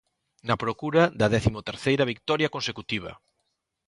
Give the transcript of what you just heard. Na procura da décimo terceira vitoria consecutiva.